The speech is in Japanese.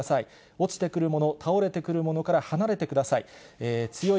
落ちてくるもの、倒れてくるものから離れてください。